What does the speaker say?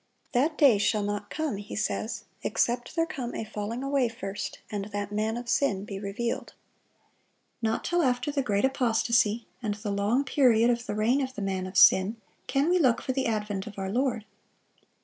"That day shall not come," he says, "except there come a falling away first, and that man of sin be revealed."(592) Not till after the great apostasy, and the long period of the reign of the "man of sin," can we look for the advent of our Lord.